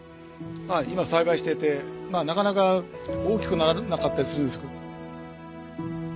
今栽培しててなかなか大きくならなかったりするんですけど。